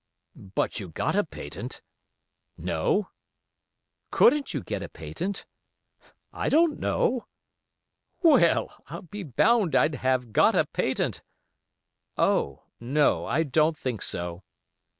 "But you got a patent?" "No." "Couldn't you get a patent?" "I don't know." "Well, I'll be bound I'd have got a patent." "Oh! no, I don't think so."